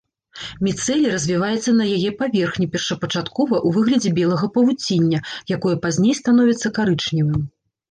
Міцэлій развіваецца на яе паверхні першапачаткова ў выглядзе белага павуціння, якое пазней становіцца карычневым.